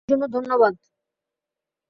এটার জন্য ধন্যবাদ।